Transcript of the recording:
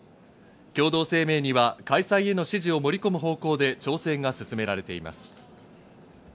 共同声明には開催への支持を盛り込む方向で調整が進められています。